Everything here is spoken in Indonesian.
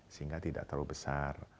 sehingga tidak terlalu besar